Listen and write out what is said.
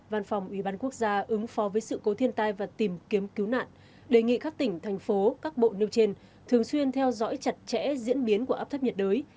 văn phòng ủy ban quốc gia ứng phó với sự cố thiên tai và tìm kiếm cứu nạn đề nghị các tỉnh thành phố các bộ nêu trên thường xuyên theo dõi chặt chẽ diễn biến của áp thấp nhiệt đới